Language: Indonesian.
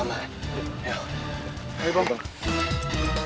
anaknya udah siapa